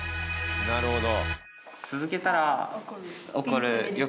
なるほど。